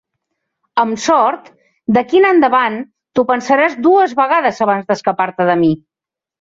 Amb sort, d'aquí en endavant t'ho pensaràs dues vegades abans d'escapar-te de mi.